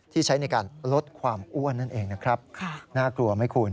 ใช้ในการลดความอ้วนนั่นเองนะครับน่ากลัวไหมคุณ